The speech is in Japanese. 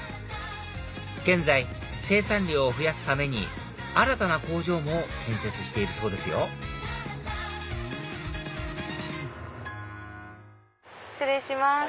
現在生産量を増やすために新たな工場も建設しているそうですよ失礼します。